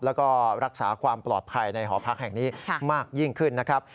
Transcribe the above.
แล้วก็รักษาความปลอดภัยในหอพักแห่งนี้มากยิ่งขึ้นนะครับ